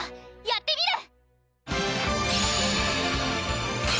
やってみる！